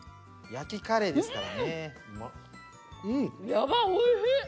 やばっおいしい。